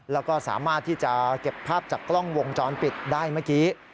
แล้วก็สามารถที่จะเก็บภาพจากกล้องวงจรปิดได้เมื่อกี้